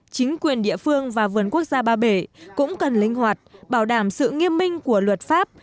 chính quyền địa phương và vườn quốc gia ba bể cũng cần linh hoạt bảo đảm sự nghiêm minh của luật pháp